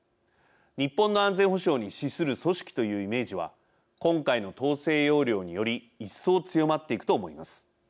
日本の安全保障に資する組織というイメージは今回の統制要領により一層、強まっていくと思います。